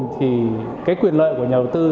thì cái quyền lợi của nhà đầu tư